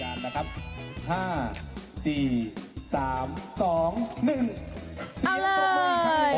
เอาเลย